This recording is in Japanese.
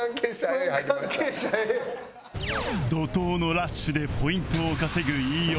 怒濤のラッシュでポイントを稼ぐ飯尾